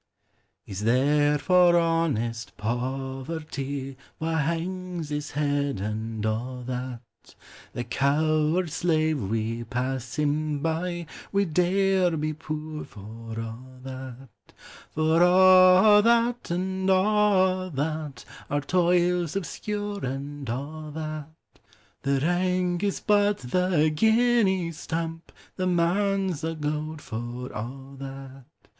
Is there for honest poverty Wha hangs his head, and a' that ? The coward slave, we pass him by ; We dare be poor for a' that. For a' that, and a' that, Our toils obscure, and a' that ; The rank is but the guinea's stamp, — The man 's the gowd for a' that.